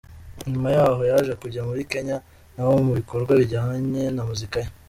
Nyuma yaho yaje kujya muri Kenya, naho mu bikorwa bijyanye na muzika ye.